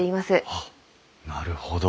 あっなるほど。